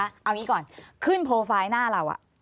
เอางี้ก่อนขึ้นโปรไฟล์หน้าเรา